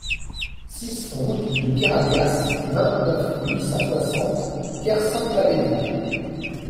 six route de Keralias, vingt-neuf, huit cent soixante, Kersaint-Plabennec